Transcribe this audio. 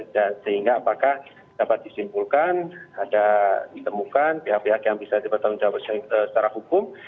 dan sehingga apakah dapat disimpulkan ada ditemukan pihak pihak yang bisa dipertahankan secara hukum